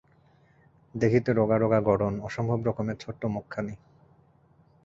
দেখিতে রোগা রোগা গড়ন, অসম্ভব রকমের ছোট্ট মুখখানি।